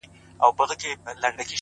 پوره اته دانې سمعان ويلي كړل-